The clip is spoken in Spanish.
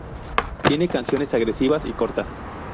Tiene canciones agresivas y cortas.